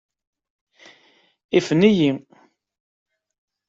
Ifen-iyi.